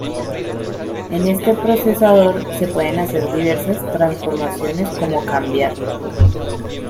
En este procesador se pueden hacer diversas transformaciones como cambiar